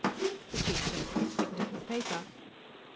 The Chief Justice picked up a paper.